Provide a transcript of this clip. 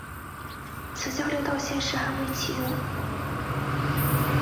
此交流道现时还未启用。